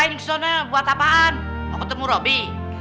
mau ketemu robby